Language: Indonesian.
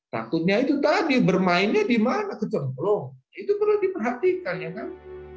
takutnya itu tadi bermainnya di mana kecemplung itu perlu diperhatikan ya kan